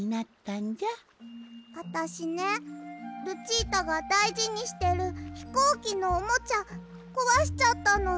あたしねルチータがだいじにしてるひこうきのおもちゃこわしちゃったの。